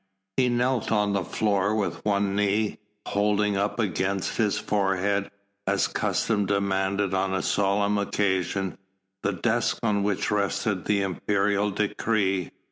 He knelt on the floor with one knee, holding up against his forehead, as custom demanded on a solemn occasion, the desk on which rested the imperial decree.